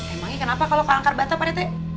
emangnya kenapa kalo ke angkerbata pak rete